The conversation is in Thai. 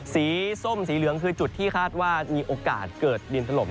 สีส้มสีเหลืองคือจุดที่คาดว่ามีโอกาสเกิดดินถล่ม